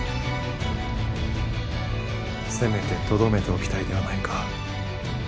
せめてとどめておきたいではないか。